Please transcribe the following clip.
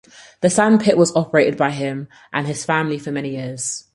The sand pit was operated by him and his family for many years.